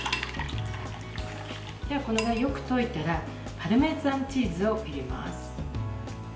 よく溶いたらパルメザンチーズを入れます。